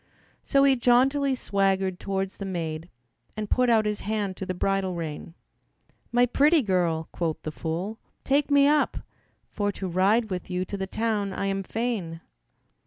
So he jauntily swaggered towards the maid And put out his hand to the bridle rein. "My pretty girl," quoth the fool, "take me up, For to ride with you to the town I am fain."